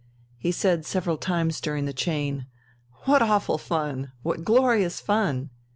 He said several times during the chain, "What awful fun! What glorious fun!"